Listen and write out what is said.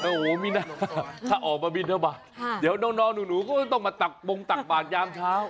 โอ้โหมีนะถ้าออกมาบินทบาทเดี๋ยวน้องหนูก็ต้องมาตักบงตักบาทยามเช้า